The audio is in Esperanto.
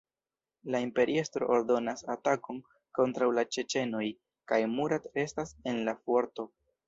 La imperiestro ordonas atakon kontraŭ la ĉeĉenoj, kaj Murat restas en la fuorto.